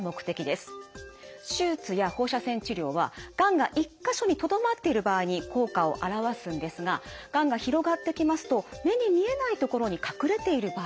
手術や放射線治療はがんが１か所にとどまっている場合に効果を現すんですががんが広がってきますと目に見えない所に隠れている場合があります。